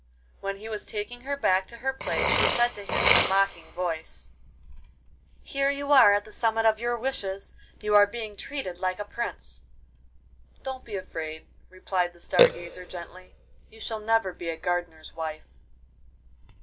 When he was taking her back to her place she said to him in a mocking voice: 'Here you are at the summit of your wishes: you are being treated like a prince.' 'Don't be afraid,' replied the Star Gazer gently. 'You shall never be a gardener's wife.